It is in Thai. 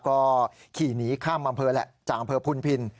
ก็ขี่หนีข้ามอำเภอแหละจากอำเภอพุนพิน